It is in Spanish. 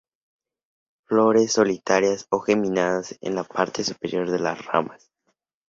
Flores solitarias o geminadas en la parte superior de las ramas.